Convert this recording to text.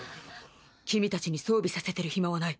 君たちに装備させてるヒマはない。